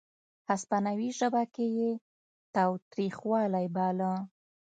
هسپانوي ژبه کې یې تاوتریخوالی باله.